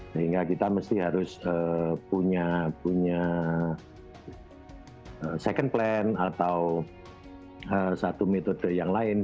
sehingga kita mesti harus punya second plan atau satu metode yang lain